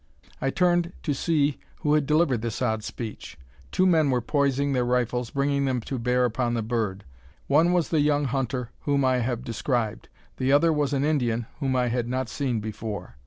I turned to see who had delivered this odd speech. Two men were poising their rifles, bringing them to bear upon the bird. One was the young hunter whom I have described. The other was an Indian whom I had not seen before.